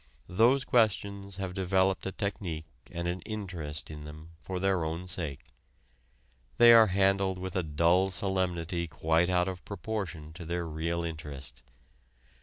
Those questions have developed a technique and an interest in them for their own sake. They are handled with a dull solemnity quite out of proportion to their real interest.